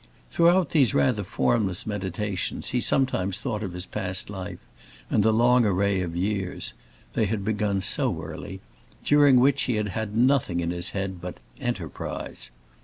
Throughout these rather formless meditations he sometimes thought of his past life and the long array of years (they had begun so early) during which he had had nothing in his head but "enterprise."